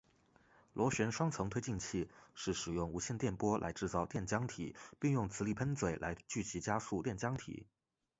螺旋双层推进器是使用无线电波来制造电浆体并用磁力喷嘴来聚集加速电浆体。